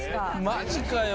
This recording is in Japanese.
マジかよ。